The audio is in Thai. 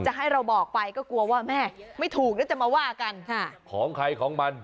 ให้เราบอกไปก็กลัวว่าแม่ไม่ถูกแล้วจะมาว่ากันของใครของมัน